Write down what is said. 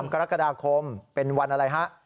กรกฎาคมเป็นวันอะไรฮะ